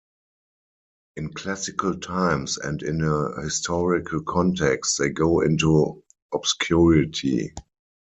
In classical times and in a historical context they go into obscurity.